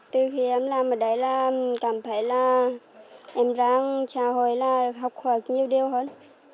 từ khi em làm ở đây là cảm thấy là em đang xã hội là học học nhiều điều hơn